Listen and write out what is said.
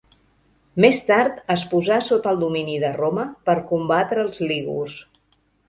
Més tard es posà sota el domini de Roma per combatre els lígurs.